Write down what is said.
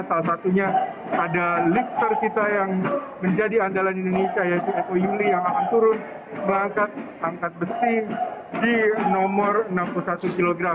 salah satunya ada lifter kita yang menjadi andalan indonesia yaitu eko yuli yang akan turun mengangkat angkat besi di nomor enam puluh satu kg